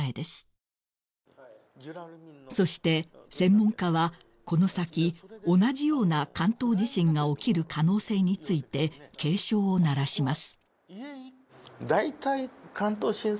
［そして専門家はこの先同じような関東地震が起きる可能性について警鐘を鳴らします］